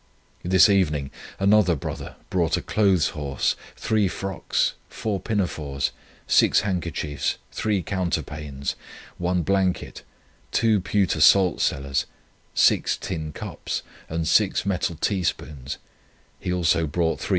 This evening another brother brought a clothes horse, three frocks, four pinafores, six handkerchiefs, three counterpanes, one blanket, two pewter salt cellars, six tin cups, and six metal tea spoons; he also brought 3s.